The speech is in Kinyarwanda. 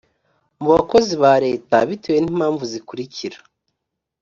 mu bakozi ba leta, bitewe n’impamvu zikurikira: